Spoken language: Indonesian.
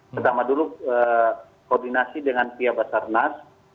pertama dulu koordinasi dengan pihak basarnas